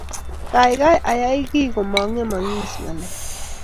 kaikai ayai kei komangemakis ngalek